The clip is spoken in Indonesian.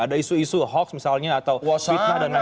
ada isu isu hoax misalnya atau wasfitnah dan lain lain